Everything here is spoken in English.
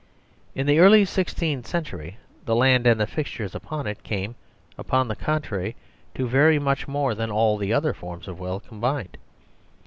In the early sixteenth century the land and the fixtures upon it came, upon the contrary, to very much more than all other forms of wealth combined.